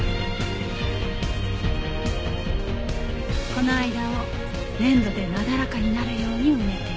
この間を粘土でなだらかになるように埋めていく。